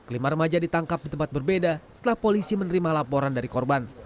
kelima remaja ditangkap di tempat berbeda setelah polisi menerima laporan dari korban